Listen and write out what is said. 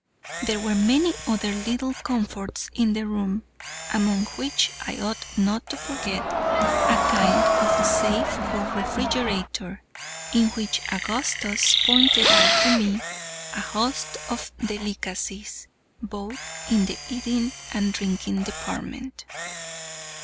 There were many other little comforts in the room, among which I ought not to forget a kind of safe or refrigerator, in which Augustus pointed out to me a host of delicacies, both in the eating and drinking department.